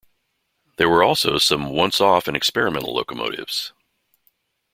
There were also some once-off and experimental locomotives.